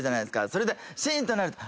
それでシーンってなると。